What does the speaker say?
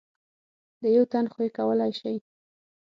د یو تن خو یې کولای شئ .